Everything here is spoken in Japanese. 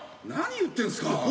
何言ってんすか。